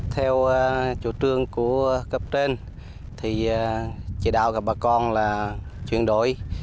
theo chủ trương của cấp trên thì chỉ đạo gặp bà con là chuyển đổi